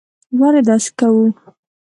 ولې داسې کوو.